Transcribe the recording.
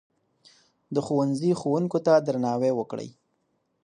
د ښوونځي ښوونکو ته درناوی وکړئ.